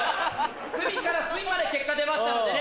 隅から隅まで結果出ましたのでね。